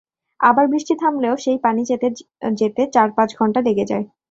আবার বৃষ্টি থামলেও সেই পানি যেতে যেতে চার-পাঁচ ঘণ্টা লেগে যায়।